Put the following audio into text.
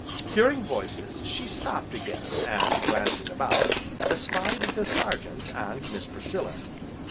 Hearing voices, she stopped again, and glancing about, espied the Sergeant, and Miss Priscilla.